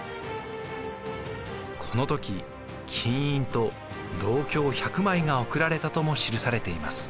この時金印と銅鏡１００枚が贈られたとも記されています。